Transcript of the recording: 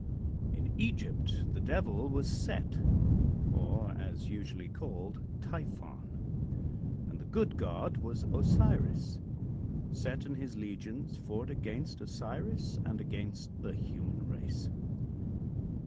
In Egypt the devil was Set or, as usually called, Typhon and the good god was Osiris. Set and his legions fought against Osiris and against the human race.